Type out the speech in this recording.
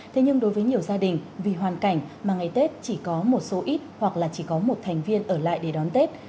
thế nhưng đối với nhiều gia đình vì hoàn cảnh mà ngày tết chỉ có một số ít hoặc là chỉ có một thành viên ở lại để đón tết